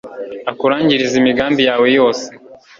akurangirize imigambi yawe yose